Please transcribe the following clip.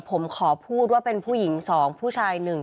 ผมขอพูดว่าเป็นผู้หญิงสองผู้ชายหนึ่ง